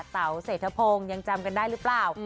เต๋าเศรษฐพงศ์ยังจำกันได้หรือเปล่า